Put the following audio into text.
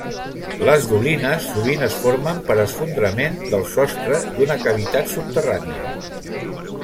Les dolines sovint es formen per esfondrament del sostre d'una cavitat subterrània.